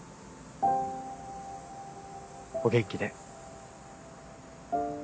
お元気で。